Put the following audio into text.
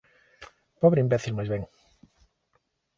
Pobre imbécil, máis ben;